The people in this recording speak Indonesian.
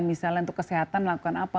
misalnya untuk kesehatan melakukan apa